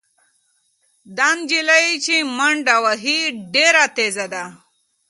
دا نجلۍ چې منډه وهي ډېره تېزه ده.